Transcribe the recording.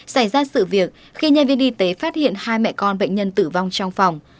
xảy ra sự việc khi nhân viên y tế phát hiện hai mẹ con bệnh nhân tử vong trong phòng